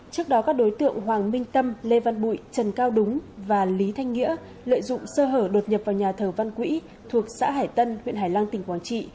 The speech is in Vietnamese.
trước đó các đối tượng hoàng minh tâm lê văn bụi trần cao đúng và lý thanh nghĩa lợi dụng sơ hở đột nhập vào nhà thờ văn quỹ thuộc xã hải tân huyện hải lăng tỉnh quảng trị